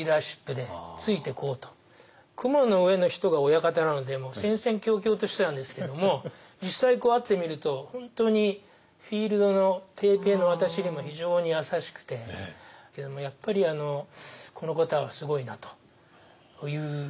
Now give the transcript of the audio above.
雲の上の人が親方なのでもう戦々恐々としてたんですけども実際会ってみると本当にフィールドのペーペーの私にも非常に優しくてやっぱりこの方はすごいなという。